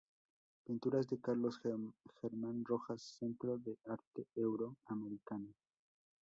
Pinturas de Carlos Germán Rojas, Centro de Arte Euro americana.